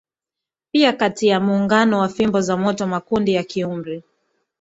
Pia kati ya muungano wa fimbo za moto makundi ya kiumri